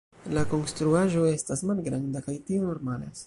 La konstruaĵo estas malgranda, kaj tio normalas.